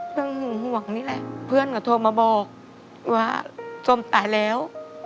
ห่วงห่วงนี่แหละเพื่อนก็โทรมาบอกว่าส้มตายแล้ว